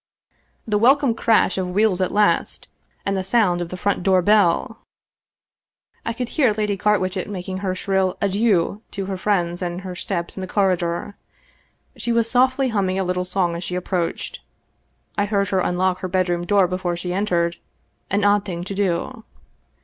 The welcome crash of wheels at last, and the sound of the front door belL I could hear Lady Carwitchet making her shrill adieux to her friends and her steps in the corridor. She was softly humming a little song as she approached. I heard her unlock her bedroom door before she entered — an odd thing to do.